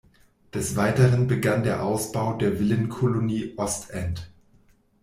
Des Weiteren begann der Ausbau der Villenkolonie "Ostend".